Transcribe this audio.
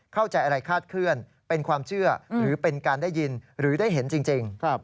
เข้าใจอะไรคาดเคลื่อนเป็นความเชื่อหรือเป็นการได้ยินหรือได้เห็นจริง